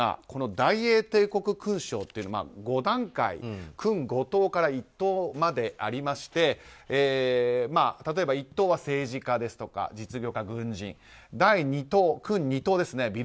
この大英帝国勲章というのは５段階勲５等から１等までありまして例えば、一等は政治家ですとか第二等、勲二等ですね